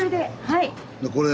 はい。